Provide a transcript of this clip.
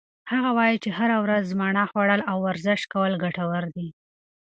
هغه وایي چې هره ورځ مڼه خوړل او ورزش کول ګټور دي.